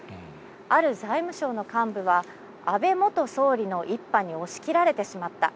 ある財務省の幹部は、安倍元総理の一派に押し切られてしまった。